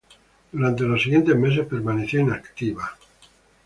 Durante los siguientes meses permaneció inactiva.